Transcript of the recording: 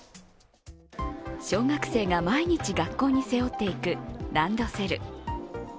小学生が毎日学校に背負っていくランドセル。